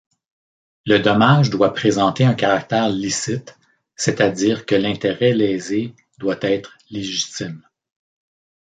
Le dommage doit présenter un caractère licite c'est-à-dire que l'intérêt lésé doit être légitime.